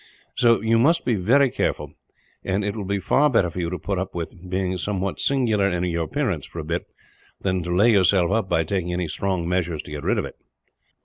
So you must be very careful; and it will be far better for you to put up with being somewhat singular in your appearance, for a bit, than to lay yourself up by taking any strong measures to get rid of it."